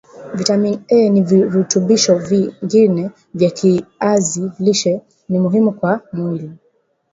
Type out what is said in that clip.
viatamin A na virutubisho v ingine vya kiazi lishe ni muhimu kwa mwili